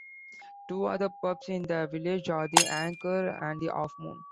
Two other pubs in the village are The Anchor and The Half Moon.